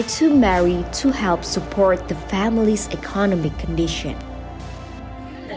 untuk membantu menolong keadaan ekonomi keluarga